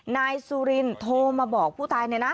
นายสุรินโทรมาบอกผู้ตายเนี่ยนะ